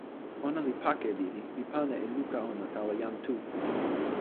ona li pake lili, li pana e luka ona tawa jan Tu.